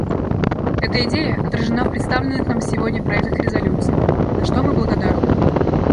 Эта идея отражена в представленных нам сегодня проектах резолюций, за что мы благодарны.